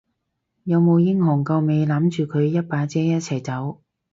有冇英雄救美攬住佢一把遮一齊走？